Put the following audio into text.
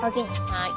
はい。